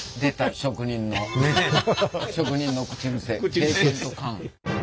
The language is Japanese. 職人の口癖経験と勘。